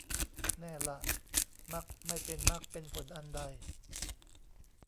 แน่ล่ะมักไม่เป็นมรรคเป็นผลอันใด